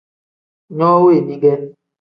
No weni ge.